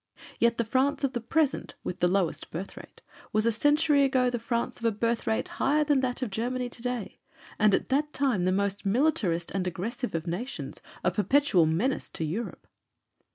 Yet the France of the present, with the lowest birth rate, was a century ago the France of a birth rate higher than that of Germany today, and at that time the most militarist and aggressive of nations, a perpetual menace to Europe."